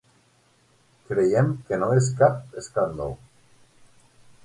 Creiem que no és cap escàndol.